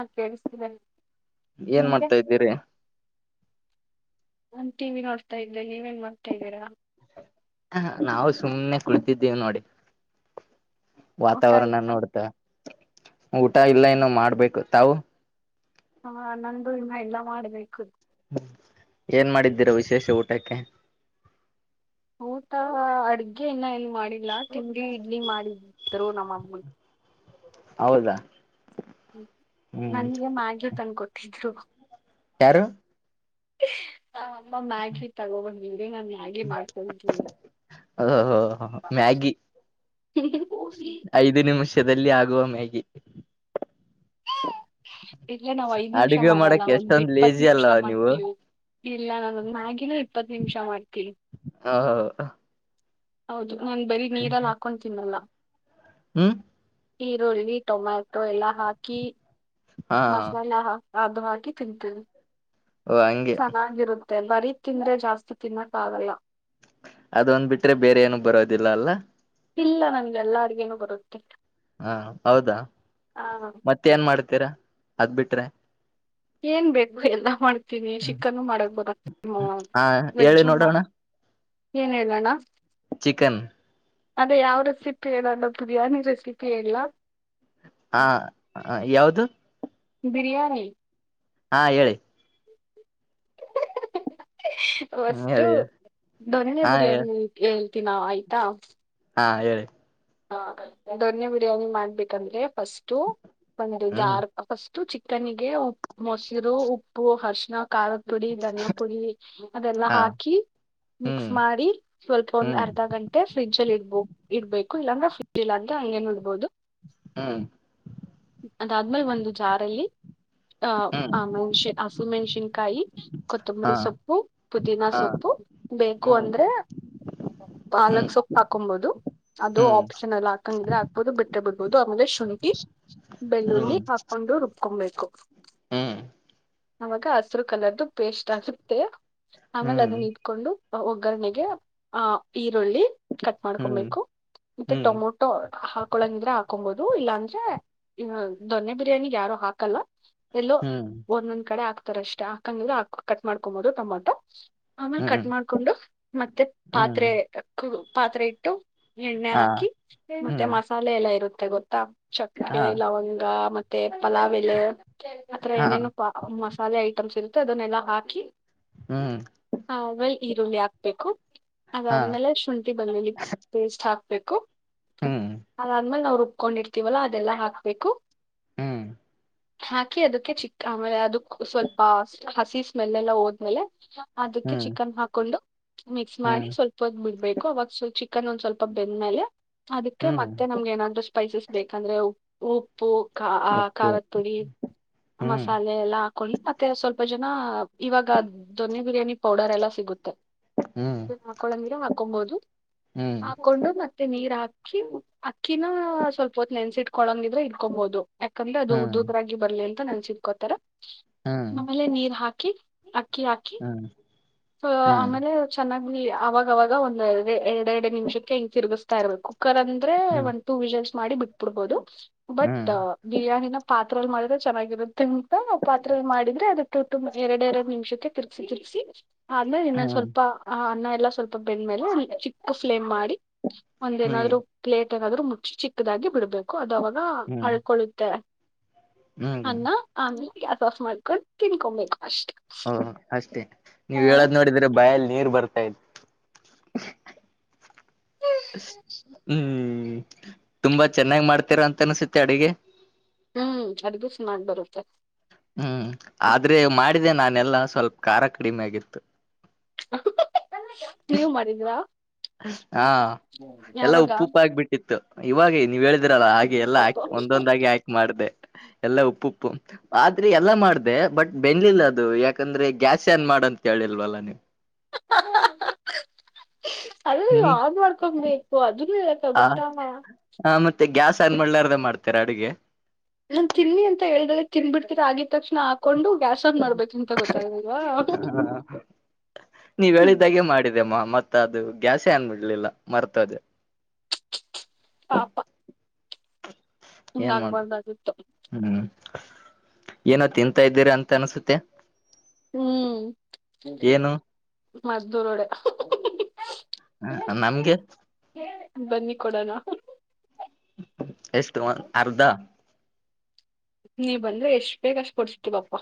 ಹಾ ಕೇಳಿಸ್ತಿದೆ ಏನ್ ನಿಮ್ಗೆ ಮಾಡ್ತಾ ಇದ್ದೀರಿ. ನಾನ್ ಟಿ ವಿ ನೋಡ್ತಾ ಇದ್ದೆ ನೀವೇನ್ ಮಾಡ್ತಾ ಇದ್ದೀರಾ. ಹ ನಾವು ಸುಮ್ಮ್ನೆ ಕುಳಿತಿದ್ದೇವಿ ನೋಡಿ. ಊಟ ವಾತಾವರಣ ಆಯ್ತಾ ನೋಡ್ತ, ಊಟ ಇಲ್ಲ ಏನು ಮಾಡ್ಬೇಕು ತಾವು. ಹಾ ನಂದು ಇನ್ನ ಎಲ್ಲಾ ಮಾಡ್ಬೇಕು. ಏನ್ ಮಾಡಿದ್ದೀರಾ ವಿಶೇಷ ಊಟಕ್ಕೆ. ಊಟ ಅಡ್ಗೆ ಇನ್ನು ಏನು ಮಾಡಿಲ್ಲಾ, ತಿಂಡಿ ಇಡ್ಲಿ ಮಾಡಿದ್ರು ನಮ್ಮಮ್ಮೂ. ಹೌದಾ. ಹ್ಮ್ ನನಗೆ ಮಾಗಿ ತಂದಕೊಟ್ಟಿದ್ರು. ಯಾರು. ಹ ಅಮ್ಮ ಮ್ಯಾಗಿ ತಗೋಬಂದಿದ್ರು ನ ಮ್ಯಾಗಿ ಮಾಡ್ಕೊಂಡ್ ತಿಂದೆ. ಹೋ ಹ ಮ್ಯಾಗಿ ಐದು ನಿಮಿಷದಲ್ಲಿ ಆಗುವ ಮ ಮಾಗಿ. ಹುಹೂ. ಇಲ್ಲೇ ನಾವ್ ಐದ್ ನಿಮಿಷ ಅಡುಗೆ ಮಾಡಲ್ಲ ಮಾಡಕ್ ಒಂದ್ ಎಷ್ಟೊಂದ್ ಇಪ್ಪತ್ತು ಲೇಜಿ ನಿಮಿಷ ಅಲ್ವಾ ನೀವು ಮಾಡ್ತೀವಿ ಇಲ್ಲ ನಾನೊ ಮ್ಯಾಗಿನ ಇ ಇಪ್ಪತ್ತು ನಿಮಿಷ ಮಾಡ್ತೀವಿ. ಹಾ. ಹೌದು ನಾನ್ ಬರೀ ನೀರಲ್ಲಿ ಹಾಕೊಂಡ್ ತಿನ್ನಲ್ಲಾ. ಹ್ಮ್. ಈರುಳ್ಳಿ, ಟೊಮ್ಯಾಟೊ ಎಲ್ಲಾ ಹಾಕಿ ಹಾ ಮಸಾಲ ಹಾ ಅದು ಹಾಕಿ ತಿಂತೀವಿ. ಓ ಹಂಗೆ. ಮತ್ತೆ ಬರೀ ತಿಂದ್ರೆ ಜಾಸ್ತಿ ತಿನ್ನೋಕ್ಕ ಆಗಲ್ಲ. ಅದೊಂದ್ ಬಿಟ್ರೆ ಬೇರೆ ಏನ್ ಬರೋದಿಲ್ಲ ಅಲ್ಲ. ಇಲ್ಲ ನನ್ಗೆ ಎಲ್ಲಾ ಅಡುಗೆನು ಬರುತ್ತೆ. ಹಾ ಹೌದಾ ಆ ಮತ್ತೆ ಏನ್ ಮಾಡ್ತೀರಾ ಅದ್ ಬಿಟ್ರೆ ಏನ್ ಬೇಕು ಎಲ್ಲ ಮಾಡ್ ನಿ ಚಿಕನ್ನು ಮಾಡಕ್ ಬ ಹಾ ಹೇಳಿ ವೆಜ್ಜುಮ್ಮ ನೋಡೋಣ ಏನ್ ಹೇಳಣ್ಣ. ಚಿಕನ್ ಅದೇ ಯಾವ್ ರೆಸಿಪಿ ಹೇಳಲ್ಲ ಬಿರಿಯಾನಿ ರೆಸಿಪಿ ಹೇಳ್ಳ. ಹಾ ಯಾವ್ದು. ಬಿರಿಯಾನಿ. ಹಾ ಹೇಳಿ. ಹ್ಮ ಫರ್ಸ್ಟ್ ಹೇಳಿ ಹೇಳಿ. ದೊನ್ನೆ ಹಾ ಹೇಳಿ ಬಿರಿಯಾನಿ ಹೇಳ್ತನಿ ಆಯ್ತಾ. ಹಾ ಹೇಳಿ. ಹ ದೊನ್ನೆ ಬಿರಿಯಾನಿ ಮಾಡ್ಬೇಕಂದ್ರೆ ಫಸ್ಟು ಒಂದು ಹ್ಮ್ ಜಾರಕ ಫಸ್ಟ್ ಚಿಕನ್ಗೆ ಹೂಪ್ ಮೊಸಿರು ಉಪ್ಪು ಹಾರ್ಶನ ಖಾರದ ಪುಡಿ ಧನಿಯಾ ಪುಡಿ ಅದೆಲ್ಲ ಹಾ ಹಾಕಿ ಹ್ಮ್ ಮಿಕ್ಸ್ ಮಾಡಿ ಸ್ವಲ್ಪ ಒಂದ್ ಹ್ಮ್ ಅರ್ಧ ಗಂಟೆ ಫ್ರಿಜ ಅಲ್ಲಿ ಇಡ್ಬೋ ಇಡ್ಬೇಕು ಲ್ ಅಂಗ್ರ ಫೀಲ್ ಆಗ ಹಂಗೆ ನೋಡಬಹದು ಹಾ ಅದ್ಮೇಲೆ ಒಂದು ಜಾರಲ್ಲಿ ಆ ಹ್ಮ್ ಆ ಮೆಣಸನ್ ಹಸುಮೆಣ್ಸಿನ್ಕಾಯಿ ಹಾ ಕೊತ್ತಂಬರಿ ಸೊಪ್ಪು ಪುದೀಿನ ಹಾ ಸೊಪ್ಪು ಬೇಕು ಹ್ಮ್ ಅಂದ್ರೆ ಹ್ಮ್ ಪಾಲಕ್ ಸೊಪ್ಪು ಹಾಕೊಂಬಹುದು ಅದು ಆಪ್ಷನ್ ಎಲ್ಲ ಹಾಕಂಗಿದ್ರೆ ಹಾಕ್ಬೋದು ಬಿಟ್ಟ್ರೆ ಬಿಡ್ಬಹದು ಆಮೇಲೆ ಶುಂಕಿ ಬೆಳ್ಳುಳ್ಳಿ ಹಾಕೊಂಡು ರುಬ್ಕೊಬೇಕು ಹ್ಮ ಅವಾಗ ಹಸರು ಕಲರ್ದು ಪೇಸ್ಟ್ ಆಗುತ್ತೆ ಆಮೇಲೆ ಅದನ್ನ ಹ್ಮ್ ಇಟ್ಕೊಂಡು ಒಗ್ಗರಣೆಗೆ ಆಹ ಈರುಳ್ಳಿ ಕಟ್ ಹ್ಮ್ ಮಾಡ್ಕೊಬೇಕು ಮತ್ತ ಹ್ಮ್ ಟೊಮೊಟೊ ಹಾಕೊಳಂಗಿದ್ರೆ ಹಾಕೊಬಹುದು ಇಲ್ಲಾಂದ್ರೆ ದೊನ್ನೆ ಬಿರಿಯಾನಿ ಯಾರು ಹಾಕಲ್ಲ ಎಲ್ಲೋ ಹ್ಮ್ ಹ್ಮ್ ಒಂದೊಂದ್ ಕಡೆ ಹಾಕ್ತಾರ ಅಷ್ಟೆ ಹಾಕಂಗಿದ್ರ ಕಟ್ ಮಾಡ್ಕೊಬೋದು ಟೊಮೊಟೊ ಆಮೇಲೆ ಕಟ್ ಹ್ಮ್ ಮಾಡ್ಕೊಂಡು ಮತ್ತೆ ಹ್ಮ್ ಪಾತ್ರೆ ಪಾತ್ರೆ ಇಟ್ಟು ಎಣ್ಣೆ ಹಾ ಹಾಕಿ ಮತ್ತೆ ಹ್ಮ್ ಮಸಾಲೆ ಎಲ್ಲ ಇರುತ್ತೆ ಗೊತ್ತಾ ಚಕ್ಕೆ ಹಾ ಲವಂಗ ಮತ್ತೆ ಮತ್ತೆ ಪಲಾವೆಲೆ ಆಥರ ಹಾ ಏನೇನು ಮಸಾಲೆ ಐಟಮ್ಸ್ ಇರುತ್ತೆ ಅದನ್ನೆಲ್ಲಾ ಹಾಕಿ ಹ್ಮ್ ಹಲ್ ಈರುಳ್ಳಿ ಹಾಕ್ಬೇಕು ಹಾ ಅದಾದ್ಮೇಲೆ ಶುಂಠಿ ಬಂದಲಿ ಪೇಸ್ಟ್ ಹಾಕ್ಬೇಕು ಹ್ಮ್ ಅದಾದ್ಮೇಲೆ ನಾಾವವು ರುಬ್ಕೊಂಡಿರ್ತೀವಲ್ಲ ಅದೆಲ್ಲ ಹಾಕ್ಬೇಕು ಹ್ಮ್ ಹಾಕಿ ಅದಕ್ಕೆ ಚಿಕ್ಕ ಆಮೇಲೆ ಅದಕ್ ಸ್ವಲ್ಪ ಹಸಿ ಸ್ಮೆಲ್ ಎಲ್ಲ ಹೋದ್ಮೇಲೆ ಅದಕ್ಕೆ ಹ್ಮ್ ಚಿಕನ್ ಹಾಕೊಂಡು ಮಿಕ್ಸ್ ಮಾಡಿ ಹ್ಮ್ ಸ್ವಲ್ಪ ಹೊ ಬಿಡ್ಬೇಕು ಅವಾಗ ಸ್ ಚ ಚಿಕನ್ ಒಂದ್ ಸ್ವಲ್ಪ ಬೆಂದ್ಮೇಲೆ ಅದಕ್ಕೆ ಹ್ಮ್ ಮತ್ತೆ ನಮ್ಗೆ ಏನಾದ್ರು ಸ್ಪೈಸಸ್ ಬೇಕಂದ್ರೆ ಉ ಉ ಪೂ ಆ ಉಪ್ಪು ಕಾಲತಳಿ ಹ್ಮ್ ಮಸಾಲೆ ಎಲ್ಲ ಹಾಕೊಳ್ಳಿ ಮತ್ತೆ ಸ್ವಲ್ಪ ಜನ ಇವಾಗ ದೊನ್ನೆ ಬಿರಿಯಾನಿ ಪೌಡರ್ ಎಲ್ಲ ಸಿಗುತ್ತೆ ಹ್ಮ್ ಹ್ಮ್ ಈರ ಅಕ್ಕಿ ಅಕ್ಕಿನ ಸ್ವಲ್ಪ ಹೊತ್ ನೆನ್ಸಿಟ್ ಕೊಳಂಗಿದ್ರೆ ಇಡ್ಕೊಬಹುದು ಯಾಕಂದ್ರೆ ಅದು ಹ್ಮ್ ಉದ ಉದ್ರಾಗಿ ಬರ್ಲಿ ಅಂತ ನನ್ಸತ್ಕೋತಾರ ಹ್ಮ್ ಆಮೇಲೆ ನೀರ್ ಹಾಕಿ ಅಕ್ಕಿ ಹಾಕಿ ಹ್ಮ್ ಹ್ಮ್ ಹ್ಮ್ ಆಮೇಲೆ ಚೆನ್ನಾಗ್ ಅವಾಗವಾಗ ಒಂದ್ ಎರ ಎರಡೆ ಎರಡು ನಿಮಿಷಕ್ಕೆ ಹ ತಿರುಗಿಸ್ತಾ ಇರ್ಬೇಕು ಕರ್ ಅಂದ್ರೆ ಒನ್ ಟೂ ವಿಜಲ್ಸ್ ಮಾಡಿ ಬಿಟ್ಬಿಡ್ಬಹದು ಬಟ್ ಹ್ಮ್ ಬಿರಿಯಾನಿನ ಪಾತ್ರರೆಲ್ ಮಾಡಿದ್ರೆ ಚೆನ್ನಾಗಿರುತ್ತೆ ಅಂತ ಪಾತ್ರರೆಲ್ ಮಾಡಿದ್ರೆ ಅದಕ್ಕೆ ತುಂಬ ಎರಡ್ ಎರಡ್ ನಿಮಿಷಕ್ಕೆ ತಿರ್ಸಿ ತಿರ್ಸಿ ್ಮೇಲೆ ಇನ್ನೊಂದು ಹ್ಮ್ ಹ್ಮ್ ಸ್ವಲ್ಪ ಆ ಅನ್ನ ಎಲ್ಲ ಸ್ವಲ್ಪ ಬೆಂದ್ಮೇಲೆ ಚಿಕ್ಕ ಫ್ಲೇಮ್ ಮಾಡಿ ಹ್ಮ್ ಒಂದೇಏನಾದ್ರು ಪ್ಲೇಟ್ ಏನಾದ್ರು ಮುಚ್ಚಿ ಚಿಕ್ಕದಾಗಿ ಬಿಡ್ಬೇಕು ಅದುವಾಗ ಹ್ಮ್ ಅಳ್ಕೊಳ್ಳುತ್ತೆ ಹ್ಮ್ ಅನ್ನ ಆಮೇಲೆ ಗ್ಯಾಸ್ ಆಫ್ ಮಾಡ್ಕೊಂಡು ತಿನ್ಕೊಬೇಕು ಅಷ್ಟು ಹ ಅಷ್ಟೇ ನೀವ್ ಹೇಳದ್ ನೋಡಿದ್ರೆ ಬಯಲ್ ನೀರ್ ಬರ್ತಾ ಇಲ್ ಹ್ಮ್ ತುಂಬಾ ಚೆನ್ನಾಗಿ್ ಮಾಡ್ತೀರ ಅಂತ ಅನ್ಸುತ್ತೆ ಅಡುಗೆ ಹ್ಮ್ ಅದ ದಿವಸ ಮಾಡಿ ಬರುತ್ತೆ ಹ್ಮ್ ಆದ್ರೆ ಮಾಡಿದೆ ನಾನೆಲ್ಲಾ ಸ್ವಲ್ಪ ಖಾರ ಕಡಿಮೆ ಆಗಿತ್ತು ನೀವು ಮಾಡಿದ್ರ ಹಾ ಎಲ್ಲಾ ಉಪ್ಪ ಉಪ್ಪ ಆಗ್ಬಿಟ್ಟಿತ್ತು ಇವಾಗ ನೀವ್ ಹೇಳಿದಿ್ರಲ್ಲ ಹಾಗೆ ಎಲ್ಲ ಹಾ ಒಂದೊಂದಾಗಿ ಆಾಕೆ ಮಾಡ್ದೆ ಎಲ್ಲಾ ಉಪ್ಪು ಉಪ್ಪು ಆದ್ರೆ ಎಲ್ಲಾ ಮಾಡ್ದ ಬಟ್ ಬೆಂದಲಿಲ್ಲ ಅದು ಯಾಕಂದ್ರೆ ಗ್ಯಾಸ್ ಏನ್ ಮಾಡ ಅಂತ ಕಿಲ್ವಲ್ಲ ನೀವು ಅದು ಹ್ಮ್ ಯ್ ಮಾಡ್ಕೊಬೇಕು ಅದ ಕಗಿತಾಮ ಆ ಮತ್ತೆ ಗ್ಯಾಸ್ ಅನ್ ಮಾಡಾರ್ದ ಮಾಡ್ತಾರೆ ಅಡುಗೆ ನಾ ತಿನ್ನಿ ಅಂತ ಹೇಳ್ದ್ರೆ ತಿಿಂದ ಬಿಡ್ತಿರ ಆಗಿದ ತಕ್ಷಣ ಹಾಕೊಂಡು ಗ್ಯಾಸ್ ಆನ್ ಮಾಡ್ಬೇಕು ಅಂತ ಗೊತ್ತಾಗಲ್ವಾ ನೀವ್ ಹೇಳಿದ್ದಾಗೆ ಮಾಡಿದಮ್ಮ ಮತ್ ಅದು ಗ್ಯಾಸಹೇ ಆನ್ ಮಾಡಲಿಲ್ಲ ಮರ್ತೋದೆ ಪಾಪ ಹಿಂಗ್ ಏನ್ ಮಾಡ ಆಗ್ಬಾರ್ದಾಗಿತ್ತು ಹ್ಮ್ ಏನೋ ತಿಂತಾ ಇದ್ದೀರಾ ಅಂತ ಅನ್ಸುತ್ತೆ ಹ್ಮ್ ಏನು ಮದ್ದೂರು ವಡೆ ಹ ನನಗೆ ಬನ್ನಿ ಕೊಡೋಣ ಎಷ್ಟು ಅರ್ದ ನೀವ್ ಬಂದ್ರೆ ಎಷ್ಟ್ ಬೇಕು ಅಷ್ಟು ಕೊಡ್ಸತೀವಪ್ಪ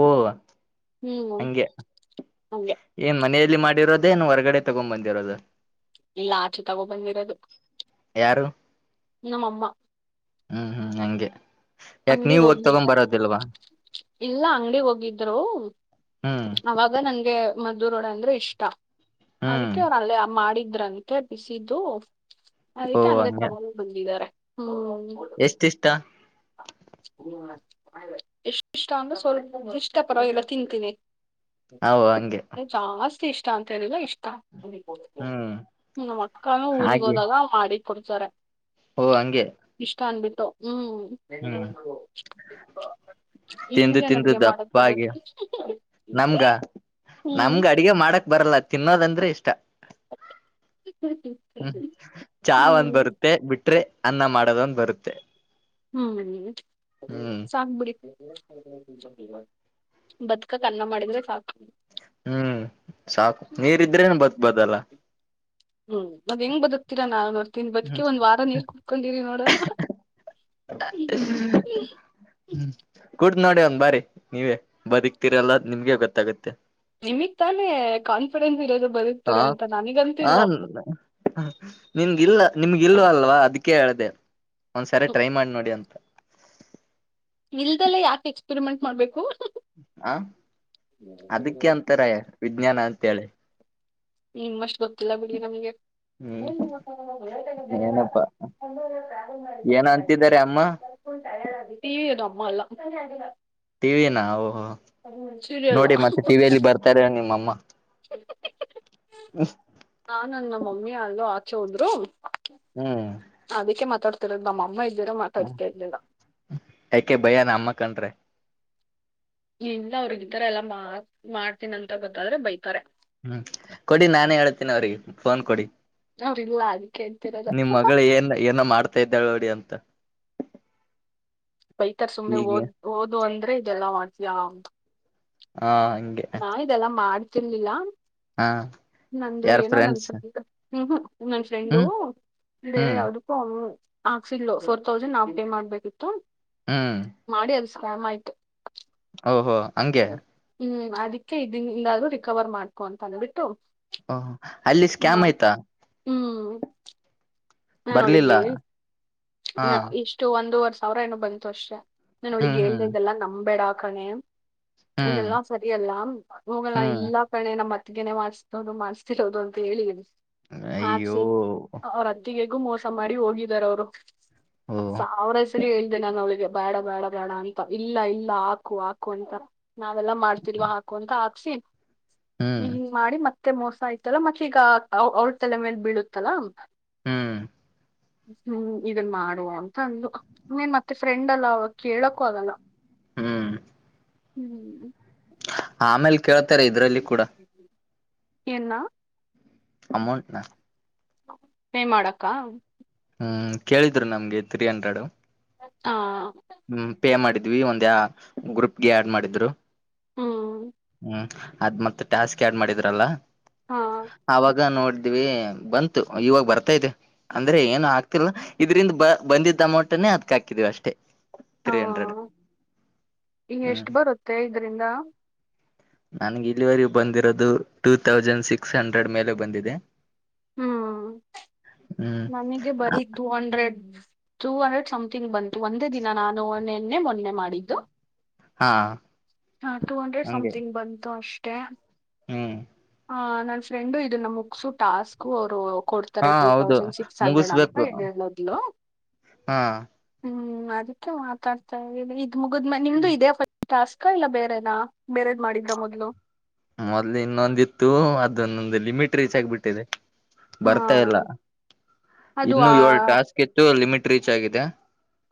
ಓ ಹ್ಮ್ ಹಂಗೆ ಹಂಗೆ ಏನ್ ಮನೆಯಲ್ಲಿ ಮಾಡಿರೋದೇನು ಹೊರಗಡೆ ತಗೊಂಡ್ ಬಂದಿರೋದು ಇಲ್ಲ ಆಚೆ ತಗೋ ತಕೊ ಬಂದಿರೋದು ಯಾರು ನಮ್ಮ ಅಮ್ಮ ಹ್ಮ್ ಹ್ಮ್ ಹಂಗೆ ಯಾಕ ಅಂಗಡಿಗ್ ನೀವ್ ಹೋಗಿ ತಗೊಂಡ್ ಹೋಗ್ಲಿವಾ ಬರೋದಿಲ್ವಾ ಇಲ್ಲ ಅಂಗಡಿಗ್ ಹೋಗಿದ್ರು ಹ್ಮ್ ಅವಾಗ ನಂಗೆ ಮದ್ದುರೋಡೆ ಅಂದ್ರೆ ಇಷ್ಟ ಹ್ಮ್ ಅದಕ್ಕೆ ಅವ್ರ ಅಲ್ಲೇ ಮಾಡಿ ದ್ರಂತೆ ಬಿಸಿದ್ದು ಓ ಅದಕ್ಕೆ ಹಂಗೆ ತಕೊಂಡು ಬಂದಿದ್ದಾರೆ ಎಷ್ಟು ಇಷ್ಟ ಎಷ್ಟು ಇಷ್ಟ ಅಂದ್ರೆ ಸ್ವಲ್ಪ ಇಷ್ಟ ಪರವಾಗಿಲ್ಲ ತಿಂತೀನಿ ಹಓ ಹಂಗೆ ಜಾಸ್ತಿ ಇಷ್ಟ ಅಂತ ಹೇಳಿಲ್ಲ ಇಷ್ಟ ಹ್ಮ ಹ್ಮ್ ನಮ್ಮ ಅಕ್ಕನು ಊರಿಗ್ ಹಾಗೆ ಹೋದಾಗ ಮಾಡಿ ಕೊಡ್ತಾರೆ ಓ ಹಂಗೆ ಹ್ಮ್ ಹ್ಮ್ ತಿಂದು ನಿಮಗೇನು ತಿಂದು ಅಡ್ಗೆ ಮಾಡೋಕೆ ದಪ್ಪಾಗಿ ಗೊತ್ತು ನಮ್ಗ ನಮ್ಗ ಅಡಿಗೆ ಮಾಡಕ್ ಬರಲ್ಲ ತಿನ್ನೋದಂದ್ರೆ ಇಷ್ಟ ಹ್ಮ ಚಾ ಒಂದ್ ಬರುತ್ತೆ ಬಿಟ್ರೆ ಅನ್ನ ಮಾಡೋದೊಂದ ಬರುತ್ತೆ ಹ್ಮ ಹ್ಮ್ ಸಾಕು ಬಿಡಿ ಬತ್ಕಕ್ ಅನ್ನ ಮಾಡಿದ್ರೆ ಸಾಕು ಹ್ಮ್ ಸಾಕು ನೀರಿದ್ರೆ ಬದ್ಕೋಬಹುದಲ್ಲ ಹ್ಮ್ ಅದ್ ಹೆಂಗ್ ಬದುತ್ತೀರಾ ನಾ ನೋಡ್ತನಿ ಬದುಕಿ ಹ್ಮ್ ಒಂದ್ ವಾರ ನೀರ್ ಕುತ್ಕೊಂಡಿರಿ ನೋಡಣ ಹ್ಮ ಕೂಡ್ ನೋಡಿ ಒಂದ್ ಬಾರಿ ನೀವೇ ಬದಿಕ್ತಿರಲ್ಲ ನಿಮ್ಗೆ ಗೊತ್ತಾಗುತ್ತೆ ನಿಮಿಗ್ ತಾನೇ ಕಾನ್ಫಿಡೆನ್ಸ್ ಇರೋದು ಹಾ ಬದುಕ್ತಾರೆ ಅಂತ ನನಗಂತೂ ಹ ಇಲ್ಲಪ್ಪ ನಿನ್ಗಿಲ್ಲ ನಿಮ್ಗೆ ಇಲ್ ಅಲ್ವಾ ಅದಕ ಹೇಳ್ದ ಒಂದ್ಸರಿ ಟ್ರೈ ಮಾಡಿ ನೋಡಿ ಅಂತ ಇಲ್ದೆಲ್ಲೇ ಯಾಕೆ ಎಕ್ಸ್ಪೆರಿಮೆಂಟ್ ಮಾಡ್ಬೇಕು ಹ ಅದಕ್ಕೆ ಅಂತರ ವಿಜ್ಞಾನ ಅಂತೇಳಿ ನಿಮ್ಷ್ಟ ಗೊತ್ತಿಲ್ಲ ಬಿಡಿ ನಮ್ಗೆ ಹ್ಮ್ ಏನಪ್ಪಾ ಏನ ಅಂತಿದ್ದಾರೆ ಅಮ್ಮ ಅ ಟಿವಿನ ಓಹೋ ಸೀರಿಯಲ್ ನೋಡಿ ಮತ್ತೆ ಟಿವಿಯಲ್ಲಿ ಬರ್ತಾರೆ ನಿಮ್ಮಮ್ಮ ನಾ ನನ್ನ ಮಮ್ಮಿ ಅಲ್ಲೂ ಆಚೆ ಹೋದ್ರು ಹ್ಮ್ ಅದಕ್ಕೆ ಮಾಡ್ತಿರೋದು ನಮ್ಮ ಅಮ್ಮ ಇದ್ದೀರ ಮಾತಾಡ್ತಿ ಇರ್ಲಿಲ್ಲ ಯಾಕೆ ಭಯನ ಅಮ್ಮ ಕಂಡ್ರೆ ಇಲ್ಲ ಇತರ ಎಲ್ಲ ಮಾಡ್ತೀನ ಅಂತ ಗೊತ್ತಾದ್ರೆ ಬೈತಾರೆ ಹ್ಮ್ ಕೊಡಿ ನಾನೇ ಹೇಳ್ತೇನಿ ಅವ್ರಿಗೆ ಫೋನ್ ಕೊಡಿ ಅವ್ರಿಲ್ಲ ಅದಕ್ಕೆ ನಿಮ್ ಹೇಳ್ತಿರೋದು ಮಗಳ ಏನ್ ಏನ ಮಾಡ್ತಾ ಇದ್ದಾಳೆ ನೋಡಿ ಅಂತ ಬೈತರ್ ಸುಮ್ನೆ ಹೀಗೆ ಓದ್ ಓದು ಅಂದ್ರೆ ಇದೆಲ್ಲಾ ಮಾಡ್ತಿಯಾ ಅಂತ ಹ ಹಂಗೆ ನಾ ಇದೆಲ್ಲ ಮಾಡ್ತಿರ್ಲಿಲ್ಲ ಹ ನಂದು ಯಾರ ಏನೋ ನಮ್ಮ ಫ್ರೆಂಡ್ಸ್ ಹ್ಮ್ ಹ್ಮ ನನ್ನನ್ ಫ್ರೆಂಡು ಹ್ಮ್ ಬೇರೆ ಹ್ಮ್ ಯಾವದಕ್ಕೂ ಅವ ಆಾಕ್ಸ ಇಲ್ ಫೋರ್ ತೌಸಂಡ್ ನಾವ್ ಪೇ ಮಾಡ್ಬೇಕಿತ್ತು ಹ್ಮ್ ಕಾಮ ಆಯ್ತು ಓಹೋ ಹಂಗೆ ಹ್ಮ್ ಅದಿಕ್ಕೆ ಇದಿನಿಂದಾದ್ರೂ ರಿಕವರ್ ಮಾಡ್ಕೊ ಅಂತ ಅಂದಬಿಟ್ಟು ಓಹೋ ಅಲ್ಲಿ ಸ್ಕ್ಯಾಮ್ ಬಾ ಆಯ್ತಾ ಹ್ಮ್ ನಾನ್ ಬರ್ಲಿಲ್ಲ ನೋಡುಗೆ ಹಾ ಇಷ್ಟು ಒಂದವರೆ ಸಾವಿರ ಏನ ಬಂತು ಅಷ್ಟೇ ನನ್ು ಒಳಗ್ ಹ್ಮ್ ಹ್ಮ್ ಹೇ್ದಿದ್ದಲ್ಲಾ ನಮ್ೇಡ ಕಣೆ ಹ್ಮ್ ಇದೆಲ್ಲಾ ಸರಿಯಲ್ಲ ಹೋಗಲ್ಲ ಹ್ಮ್ ಇಲ್ಲ ಕಣೆ ನಮ್ಮ ಅತ್ತಿಗೆನೆ ಮಾಡಸದು ಮಾಡ್ಸ್ತಿರೋದು ಅಂತ ಹೇಳಿಿ ಅಯ್ಯೋ ಆಚಿ ಅವ್ರ ಅತ್ತಿಗೆ ು ಮೋಸ ಮಾಡಿ ಹೋಗಿದಾರ ಅವ್ರು ಓ ಸಾವಿರ ಹೆಸರಿ ಹೇಳ್ದ ನಾನ ಅವ್ಳಿಗೆ ಬೇಡ ಬೇಡ ಬೇಡ ಅಂತ ಇಲ್ಲ ಇಲ್ಲ ಹಾಕು ಹಾಕು ಅಂತ ನಾವೆಲ್ಲಾ ಮಾಡ್ತಿರ್ವ ಹಾಕು ಅಂತ ಹಾಕ್ಸಿ ಹ್ಮ್ ಹನ್ ಮಾಡಿ ಮತ್ತೆ ಮತ್ತೆ ಮೋಸ ಆಯ್ತಲ್ಲ ಮತ್ತೆ ಈಗ ಅವ್ರ ತಲೆ ಮೇಲೆ ಬೀಳುತ್ತಲ್ಲ ಹ್ಮ್ ಹ್ಮ್ ಇದನ್ ಮಾಡುವ ಅಂತ ಅಂದು ನೀನ್ ಮತ್ತೆ ಫ್ರೆಂಡ್ ಅಲ್ಲ ಅವಾಗ ಕೇಳಕ್ಕೂ ಆಲ್ಲ ಹ್ಮ್ ಹ್ಮ್ ಆಮೇಲೆ ಕೇಳ್ತಾರೆ ಇದ್ರಲ್ಲಿ ಕೂಡ ಎನ್ನ ಅಮಲ್ ನ ಹೇ ಮಾಡಕ್ಕ ಹ್ಮ್ ಕೇಳಿದ್ರು ನಮ್ಗೆ ತ್ರೀ ಹಂಡ್ರೆಡ್ ಹಾ ಹ್ಮ ಪೇ ಮಾಡಿದ್ವಿ ಒಂದ ಯ ಗ್ರೂಪ್ಗೆ ಆಡ್ ಮಾಡಿದ್ರು ಹ್ಮ್ ಹ್ಮ್ ಅದ್ ಮತ್ತೆ ಟಾಸ್ಕ್ ಯಡ್ ಮಾಡಿದ್ರಲ್ಲ ಹಾ ಅವವಾಗ ನೋಡಿ ಇದವಿ ಬಂತು ಇವಾಗ ಬರ್ತಾದೆ ಅಂದ್ರೆ ಏನು ಆಗ್ತಿಲ್ಲ ಇದ್ರಂದ ಬ ಬಂದಿದ್ದಮೊಟನ ಹತ್ಕ ಹಾಕಿದೀವಿ ಅಷ್ಟೇ ಹಾ ತ್ರೀ ಹಂಡ್ರೆಡ್ ಈ ಹ್ಮ್ ಎಷ್ಟು ಬರುತ್ತೆ ಇದ್ರಂದ ನನ್ಗೆ ಇಲಿವರಿ ಬಂದಿರೋದು ಟೂ ತೌಸಂಡ್ ಸಿಕ್ಸ್ ಹಂಡ್ರೆಡ್ ಮೇಲೆ ಬಂದಿದೆ ಹ್ಮ್ ಹ್ಮ್ ನನಗೆ ಬರೀ two hundred two hundred something ಬಂತು ಒಂದೇ ದಿನ ನಾನುೆನ್ನೆ ಮೊನ್ನೆ ಮಾಡಿದ್ದು ಹಾ ಹಾ ಟೂ ಹಂಡ್ರೆಡ್ ಹಂಗೆ ಸಮಥಂಗ್ ಬಂತು ಅಷ್ಟೆ ಹ್ಮ್ ಹ ನನ್ ಫ್ರೆಂಡು ಇದನ್ನ ಮುಗಸು ಟಾಸ್ಕ್ ಅವರು ಡ್ತಾರೆ ಹಾ ಟ ಹೌದು ತೌಸಂಡ್ ಸಿ ಹ್ರೆಡ್ ಅಂತ್ ಮುಗಿಸ್ಬೇಕು ಹಾ ಅದಕ್ಕೆ ಮಾತಾಡ್ತಾ ಇದ ಇದ್ ಮುಗ ನಿಮ್ದು ಇದೇಫ ಅಕ್ಕ ಇಲ್ಲ ಬೇರೆನಾ ಬೇರೆದ್ ಮಾಡಿದ್ರ ಮೊದ್ಲು ಮೊದ್ಲು ಇನ್ನೊಂದಿತ್ತು ಅದೊಂದೊಂದು ಲಿಮಿಟ್ ರೀಚ್ ಆಗ್ಬಿಟ್ಟಿದೆ ಹಾ ಬರ್ತಾ ಇಲ್ಲ ಅದು ಇನ್ನು ಆ ಏಳ್ ಟಾಸ್ಕ್ ಇತ್ತು ಲಿಮಿಟ್ ರೀಚ್ ಆಗಿದೆ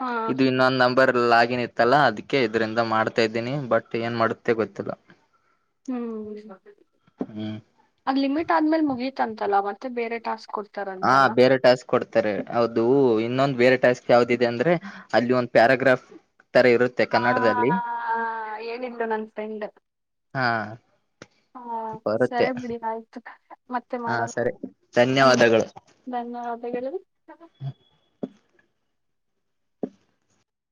ಹ ಇದು ಇನ್ನೊಂದ್ ನಂಬರ್ ಲ ನಿತ್ತಲ್ಲಾ ಅದಕ್ಕೆ ಇದರಿಿಂದ ಮಾಡ್ತಾ ಇದ್ದೀನಿ ಬಟ್ ಏನ್ ಮಾಡುತ್ತೆ ಗೊತ್ತಿಲ್ಲ ಹ್ಮ್ ಹ್ಮ್ ಅದ್ ಲಿಮಿಟ್ ಆದ್ಮೇಲ್ ಮುಗೀತ್ ಅಂತಲ್ಲ ಮತ್ತ ಬೇರೆ ಟಾಸ್ಕ್ ಕೊಟ್ಟ ಹಾ ಬೇರೆ ಟಾಸ್ಕ್ ಕೊಡ್ತಾರೆ ಹೌದು ಇನ್ನೊಂದು್ ಬೇರೆ ಟ್ಯಾಸ್ಕ್ ಯಾವ್ದಿದೆ ಅಂದ್ರೆ ಅಲ್ಲಿ ಒಂದು್ ಪ್ಯಾರಾಗ್ರಾಫ್ ತರ ಇರುತ್ತೆ ಹಾ ಕನ್ನಡದಲ್ಲಿ ಹೇಳಿದ್ಲು ನನ್ ಫ್ರೆಂಡ್ ಹಾ ಹ ಪರತ್ತ ಸರಿ ಬಿಡಿ ಆಯ್ತು ಮತ್ತೆ ಹಾ ಮಾಡೋಣ ಸರಿ ಹ್ಮ್ ಧನ್ಯವಾದಗಳು. ಧನ್ಯವಾದಗಳು.